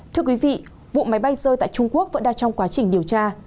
thưa quý vị vụ máy bay rơi tại trung quốc vẫn đang trong quá trình điều tra